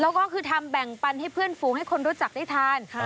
แล้วก็คือทำแบ่งปันให้เพื่อนฝูงให้คนรู้จักได้ทาน